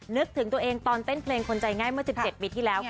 นึกถึงตัวเองตอนเต้นเพลงคนใจง่ายเมื่อ๑๗ปีที่แล้วค่ะ